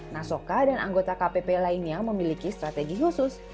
nasoka dan anggota kpp lainnya memiliki strategi khusus